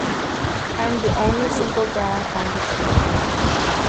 I'm the only single guy on the team.